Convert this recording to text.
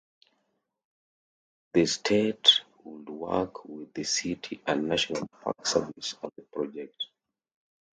The state would work with the city and National Park Service on the project.